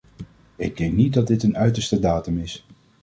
Ik denk niet dat dit een uiterste datum is.